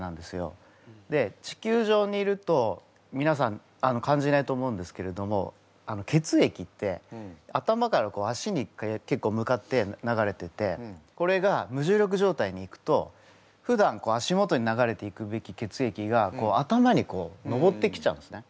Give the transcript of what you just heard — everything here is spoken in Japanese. で地球上にいるとみなさん感じないと思うんですけれども血液って頭から足に結構向かって流れててこれが無重力状態に行くとふだん足元に流れていくべき血液が頭に上ってきちゃうんですね。